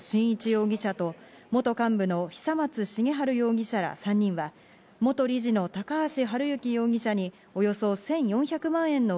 容疑者と元幹部の久松茂治容疑者ら３人は元理事の高橋治之容疑者におよそ１４００万円の